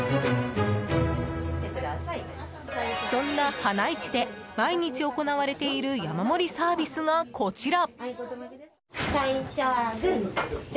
そんな花いちで毎日行われている山盛りサービスがこちら。